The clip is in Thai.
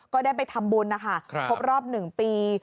ก็ได้ไปทำบุญนะคะครับครบรอบหนึ่งปี